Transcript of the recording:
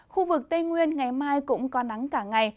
khu vực tây nguyên ngày mai cũng có nắng cả ngày